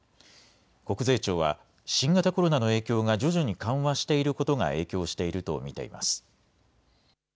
国税庁は、新型コロナの影響が徐々に緩和していることが影響していると見ています。